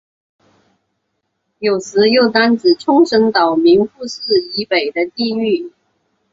有时又单指冲绳岛名护市以北的地域。